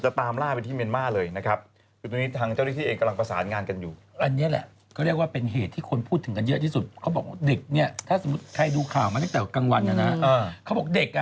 จะตามล่าไปที่เมียนมาร์เลยนะครับ